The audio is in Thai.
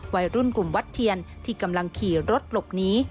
วัยรุ่นกลุ่มวัดเทียนที่กำลังขี่รถหลบหนี